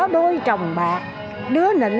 đôi trồng bạc đứa nịnh